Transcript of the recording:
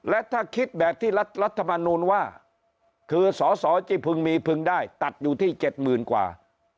และถ้าคิดแบบที่รัฐมนูลว่าคือสอสอที่พึงมีพึงได้ตัดอยู่ที่๗๐๐กว่า